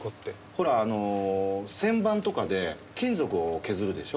ほらあの旋盤とかで金属を削るでしょ？